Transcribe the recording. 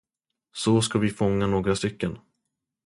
Så ska vi fånga några stycken.